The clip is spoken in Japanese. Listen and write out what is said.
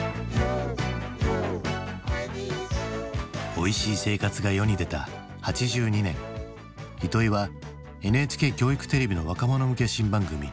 「おいしい生活」が世に出た８２年糸井はＮＨＫ教育テレビの若者向け新番組「ＹＯＵ」の司会者となる。